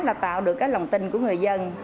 là tạo được cái lòng tin của người dân